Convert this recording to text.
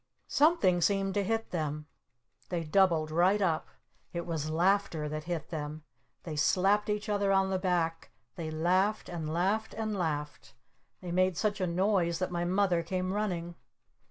Something seemed to hit them. They doubled right up. It was laughter that hit them. They slapped each other on the back. They laughed! And laughed! And laughed! They made such a noise that my Mother came running!